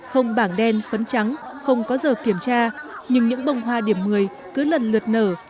không bảng đen phấn trắng không có giờ kiểm tra nhưng những bông hoa điểm một mươi cứ lần lượt nở